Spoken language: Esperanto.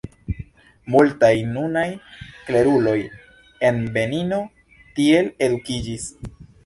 Multaj nunaj kleruloj en Benino tiel edukiĝis.